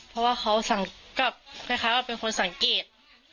เพราะว่าเขากลับคล้ายกับเป็นคนสังเกต